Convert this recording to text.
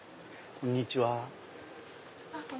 こんにちは。